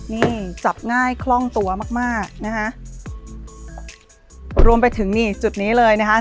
นี่จับง่ายคล่องตัวมากมากนะคะรวมไปถึงนี่จุดนี้เลยนะคะ